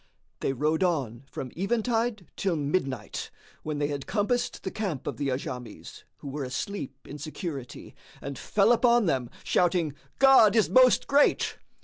They rode on from eventide till midnight, when they had compassed the camp of the Ajams, who were asleep in security, and fell upon them, shouting, "God is Most Great!"